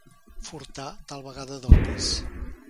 Furtar, tal vegada del pis.